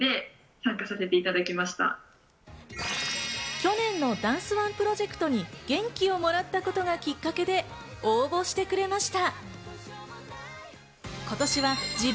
去年のダンスＯＮＥプロジェクトに元気をもらったことがきっかけで応募してくれました。